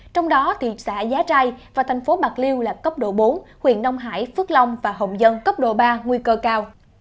trong đó thì xã giá trai và thành phố bạc liêu là cấp độ bốn huyện đông hải phước long và hồng dân cấp độ ba nguy cơ cao